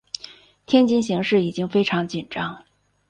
天津形势已经非常紧张。